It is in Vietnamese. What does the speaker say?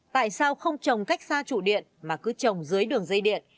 tại sao không trồng cách xa trụ điện mà cứ trồng dưới đường dây điện